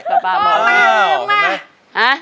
ป้าบอกมามึงมา